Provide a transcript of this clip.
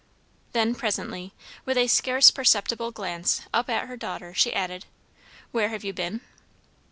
Then presently, with a scarce perceptible glance up at her daughter, she added, "Where have you been?"